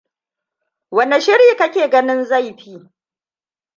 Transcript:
Wane shiri kake ganin zai fi?